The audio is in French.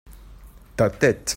ta tête.